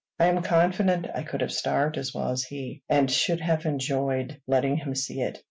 I am confident I could have starved as well as he, and should have enjoyed letting him see it.